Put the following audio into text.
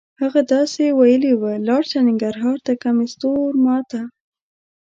هغه داسې ویلې وه: لاړ شه ننګرهار ته کمیس تور ما ته.